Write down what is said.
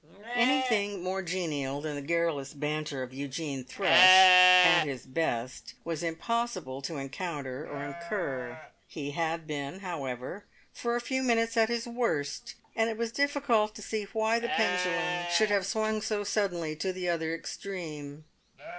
Anything more genial than the garrulous banter of Eugene Thrush, at his best, it was impossible to encounter or incur; he had been, however, for a few minutes at his worst, and it was difficult to see why the pendulum should have swung so suddenly to the other extreme.